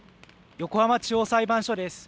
横浜地方裁判所です。